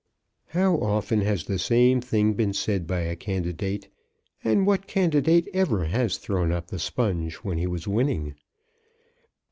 How often has the same thing been said by a candidate, and what candidate ever has thrown up the sponge when he was winning?